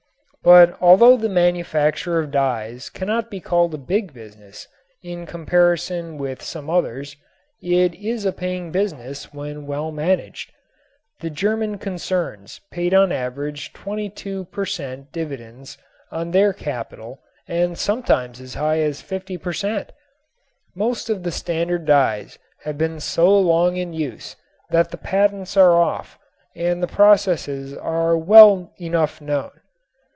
But although the manufacture of dyes cannot be called a big business, in comparison with some others, it is a paying business when well managed. The German concerns paid on an average 22 per cent. dividends on their capital and sometimes as high as 50 per cent. Most of the standard dyes have been so long in use that the patents are off and the processes are well enough known.